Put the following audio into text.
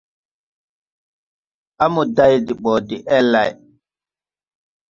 A mo day de ɓɔ de el lay.